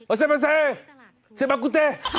ขอบคุณและคุณขอบคุณ